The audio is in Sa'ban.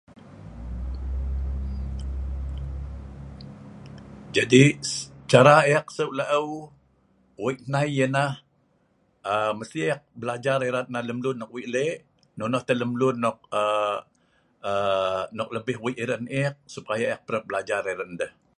jadi cara ek seu' laeu weik nei ianah aa mesti ek belajar erat nah lem lun nok weik lek nonoh teh lem lun nok aa nok lebih weik erat ek supaya ek parap belajar erat ngan deh